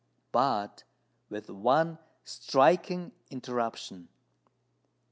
But with one striking interruption.